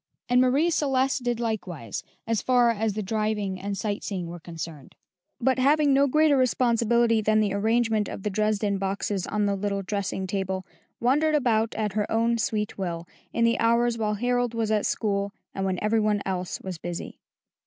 And Marie Celeste did likewise, as far as the driving and sight seeing were concerned; but having no greater responsibility than the arrangement of the Dresden boxes on the little dressing table, wandered about at her own sweet will, in the hours while Harold was at school and when every one else was busy.